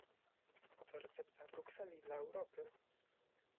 oto recepta Brukseli dla Europy!